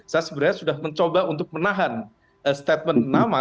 saya sebenarnya sudah mencoba untuk menahan statement nama